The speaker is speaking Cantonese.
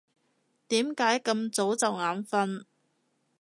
點解咁早就眼瞓？